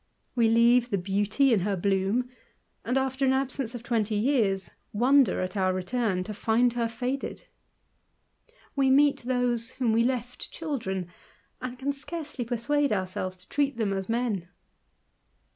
We leave the beauty in bloom, and, after an absence of twenty years, wonder, our return, to find her faded We meet those whomw left children, and can scarcely persuade ourselves to trc^^"* them as men.